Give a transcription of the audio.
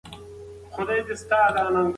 ځینې خلک اضطراب احساسوي.